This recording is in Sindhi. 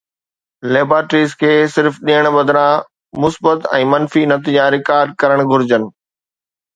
ليبارٽريز کي صرف ڏيڻ بدران مثبت ۽ منفي نتيجا رڪارڊ ڪرڻ گهرجن